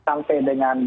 sampai dengan di